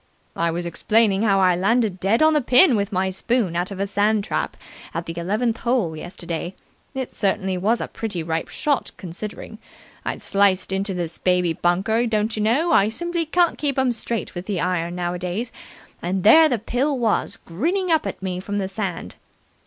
"I was explaining how I landed dead on the pin with my spoon out of a sand trap at the eleventh hole yesterday. It certainly was a pretty ripe shot, considering. I'd sliced into this baby bunker, don't you know; I simply can't keep 'em straight with the iron nowadays and there the pill was, grinning up at me from the sand.